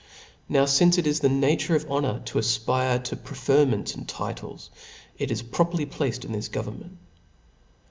Now fincc it is the Aature of honor to afpire to preftrmentA and titles^ it is properly placed in this government.